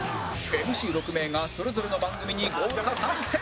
ＭＣ６ 名がそれぞれの番組に豪華参戦！